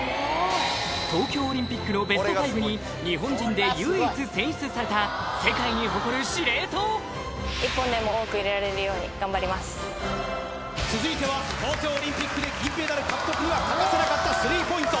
東京オリンピックのベスト５に日本人で唯一選出された世界に誇る司令塔続いては東京オリンピックで銀メダル獲得には欠かせなかったスリーポイント